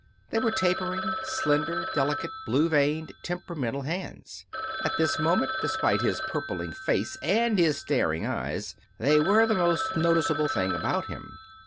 They were tapering, slender, delicate, blue veined, temperamental hands. At this moment, despite his purpling face, and his staring eyes, they were the most noticeable thing about him.